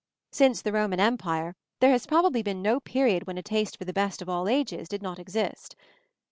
Since the Roman Empire, there has probably been no period when a taste for the best of all ages did not exist.